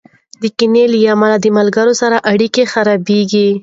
د کینې له امله د ملګرو اړیکې خرابېږي.